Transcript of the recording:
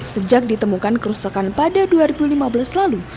sejak ditemukan kerusakan pada dua ribu lima belas lalu